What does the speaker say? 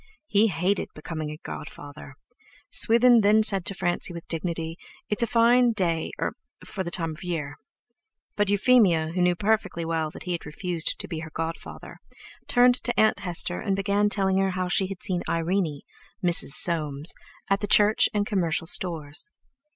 He hated becoming a godfather. Swithin then said to Francie with dignity: "It's a fine day—er—for the time of year." But Euphemia, who knew perfectly well that he had refused to be her godfather, turned to Aunt Hester, and began telling her how she had seen Irene—Mrs. Soames—at the Church and Commercial Stores.